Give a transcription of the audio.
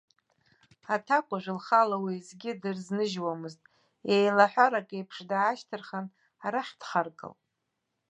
Аҭакәажә лхала уеизгьы дрызныжьуамызт, еилаҳәарак еиԥш даашьҭырхын, арахь дхаргалт.